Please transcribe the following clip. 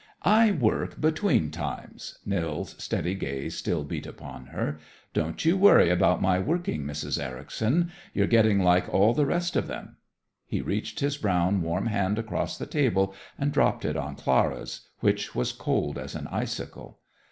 "I work between times." Nils' steady gaze still beat upon her. "Don't you worry about my working, Mrs. Ericson. You're getting like all the rest of them." He reached his brown, warm hand across the table and dropped it on Clara's, which was cold as an icicle.